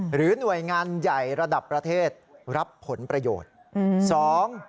หรือหน่วยงานใหญ่ระดับประเทศรับผลประโยชน์